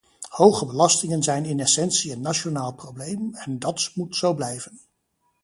Hoge belastingen zijn in essentie een nationaal probleem, en dat moet zo blijven.